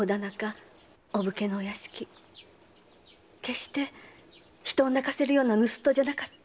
決して人を泣かせるような盗っ人じゃなかった。